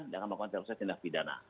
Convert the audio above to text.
dia akan melakukan tersebut dengan pidana